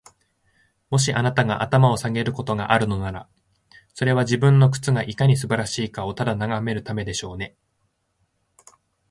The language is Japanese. もし、あなたが頭を下げることがあるのなら、それは、自分の靴がいかに素晴らしいかをただ眺めるためでしょうね。